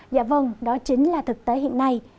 dạ vâng đó chính là thực tế hiện nay